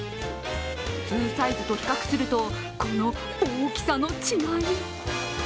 普通サイズと比較するとこの大きさの違い。